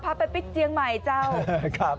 พาไปปิดเจียงใหม่เจ้า